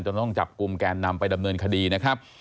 ต้องจับกลุ่มแกนนำไปดำเนินคดีนะครับ